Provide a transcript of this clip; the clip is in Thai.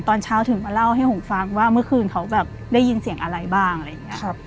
ตอนเช้าถึงมาเล่าให้ผมฟังว่าเมื่อคืนเขาแบบได้ยินเสียงอะไรบ้างอะไรอย่างนี้